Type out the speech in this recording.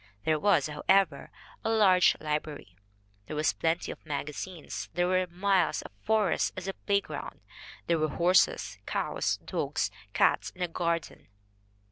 There was, however, a large library, there were plenty of magazines, there were miles of forest as a play ground, there were horses, cows, dogs, cats, a garden.